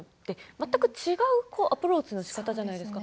全く違うアプローチのしかたじゃないですか。